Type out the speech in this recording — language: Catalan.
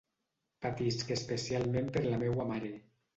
Patisc especialment per la meua mare.